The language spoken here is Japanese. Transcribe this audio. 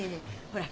ほら。